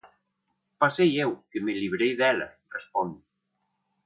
Pasei eu, que me librei dela, responde.